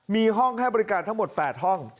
มีห้องให้บริการทั้งหมด๘ห้อง